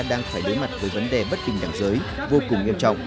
đang phải đối mặt với vấn đề bất bình đẳng giới vô cùng nghiêm trọng